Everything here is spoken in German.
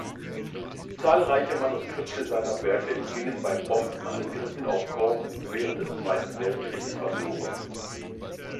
Zahlreiche Manuskripte seiner Werke gingen bei Bombenangriffen auf Korfu während des Zweiten Weltkriegs verloren.